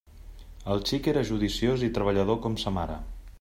El xic era judiciós i treballador com sa mare.